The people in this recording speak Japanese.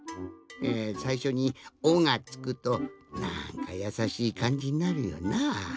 えさいしょに「お」がつくとなんかやさしいかんじになるよな。